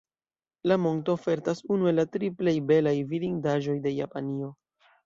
La monto ofertas unu el la tri plej belaj vidindaĵoj de Japanio.